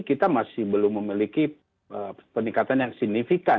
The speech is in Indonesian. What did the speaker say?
kita masih belum memiliki peningkatan yang signifikan